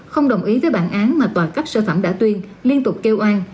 không đồng ý với bản án mà tòa cấp sơ thẩm đã tuyên liên tục kêu an